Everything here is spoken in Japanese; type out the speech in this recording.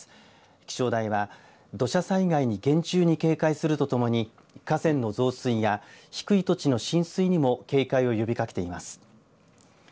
気象台は土砂災害に厳重に警戒するとともに河川の増水や低い土地の浸水にも警戒を呼びかけています。